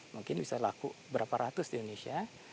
mungkin bisa laku berapa ratus di indonesia